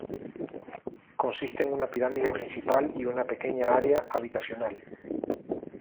Consiste en una pirámide principal y una pequeña área habitacional.